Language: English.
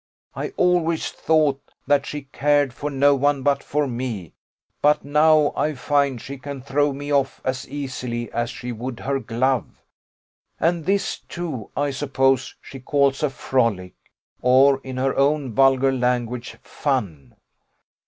I always thought that she cared for no one but for me; but now I find she can throw me off as easily as she would her glove. And this, too, I suppose she calls a frolic; or, in her own vulgar language, fun.